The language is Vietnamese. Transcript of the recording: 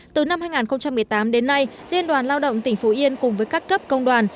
từ năm hai nghìn một mươi tám đến nay liên đoàn lao động tỉnh phú yên cùng với các cấp công đoàn